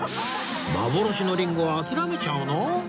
幻のリンゴ諦めちゃうの！？